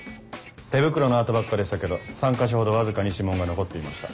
手袋の跡ばっかでしたけど３か所ほどわずかに指紋が残っていました。